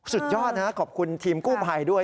สุดยอดนะครับขอบคุณทีมกู้ไพรด้วย